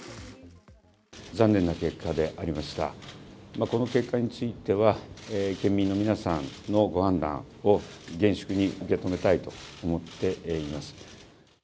残念な結果でありますが、この結果については、県民の皆さんのご判断を厳粛に受け止めたいと思っています。